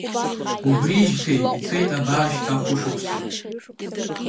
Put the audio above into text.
Убрижьҭеи ицеит абар шьҭа хәышықәса.